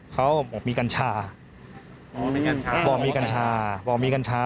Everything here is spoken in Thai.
เขาบอกมีกัญชาบอกมีกัญชาบอกมีกัญชา